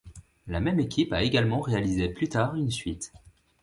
La même équipe a également réalisé plus tard une suite.